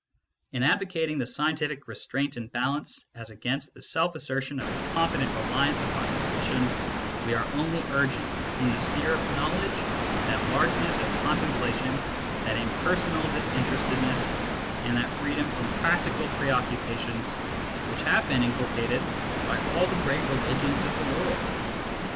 In advocating the scientific restraint and balance, as against the self assertion of a confident reliance upon intuition, we are only urging, in the sphere of knowledge, that largeness of contemplation, that impersonal dis interestedness, and that freedom from practical pre occupations which have been inculcated by all the great religions of the world.